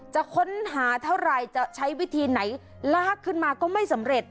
จะค้นหาเท่าไหร่จะใช้วิธีไหนลากขึ้นมาก็ไม่สำเร็จ